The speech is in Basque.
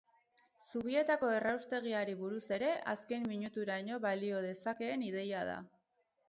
Zubietako erraustegiari buruz ere, azken minuturaino balio dezakeen ideia da.